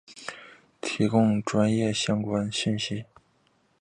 提供专业之相关讯息